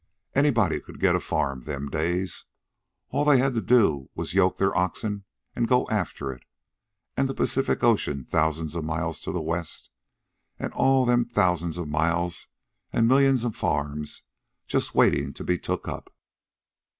Anybody could get a farm them days. All they had to do was yoke their oxen an' go after it, an' the Pacific Ocean thousands of miles to the west, an' all them thousands of miles an' millions of farms just waitin' to be took up.